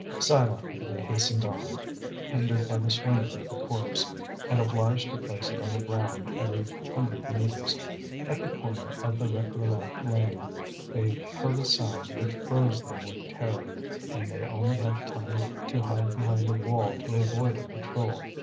Silently they hastened on, hindered by the swinging of the corpse, and obliged to place it on the ground every hundred metres. At the corner of the Réquillart lane they heard a sound which froze them with terror, and they only had time to hide behind a wall to avoid a patrol.